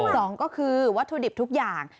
สองก็คือวัตถุดิบทุกอย่าง